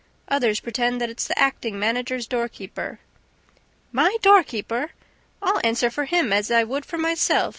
Others pretend that it's the acting manager's doorkeeper ..." "My doorkeeper? I'll answer for him as I would for myself!"